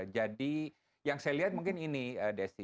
jadi yang saya lihat mungkin ini desi